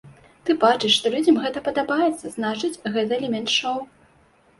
Ты бачыш, што людзям гэта падабаецца, значыць, гэта элемент шоу.